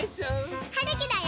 はるきだよ。